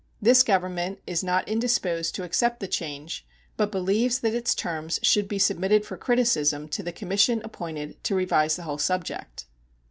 This Government is not indisposed to accept the change, but believes that its terms should be submitted for criticism to the commission appointed to revise the whole subject.